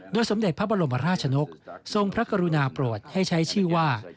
สมเด็จพระบรมราชนกทรงพระกรุณาโปรดให้ใช้ชื่อว่า